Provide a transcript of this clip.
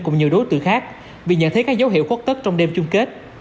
cùng nhiều đối tượng khác vì nhận thấy các dấu hiệu khuất tức trong đêm chung kết